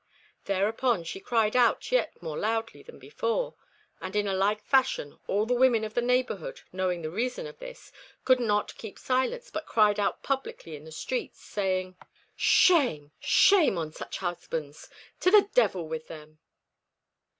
Thereupon she cried out yet more loudly than before; and in a like fashion all the women of the neighbourhood, knowing the reason of this, could not keep silence, but cried out publicly in the streets, saying "Shame, shame on such husbands! To the devil with them!"